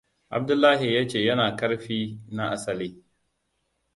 Abdullahi ya ce yana ƙarfi na asali.